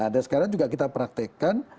dan sekarang juga kita praktekkan